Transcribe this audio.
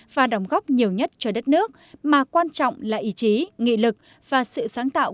và đóng góp nhiều nhất cho đất nước mà quan trọng là ý chí nghị lực và sự sáng tạo